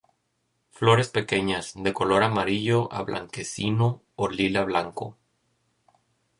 Flores pequeñas, de color amarillo a blanquecino o lila-blanco.